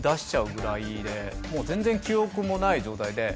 もう全然記憶もない状態で。